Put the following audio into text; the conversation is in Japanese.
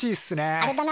あれだな